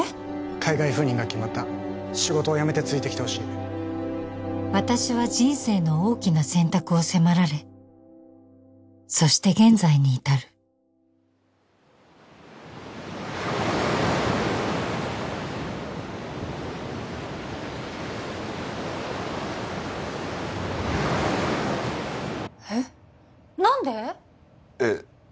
・海外赴任が決まった仕事を辞めてついてきてほしい私は人生の大きな選択を迫られそして現在に至るえっ何で？えっ？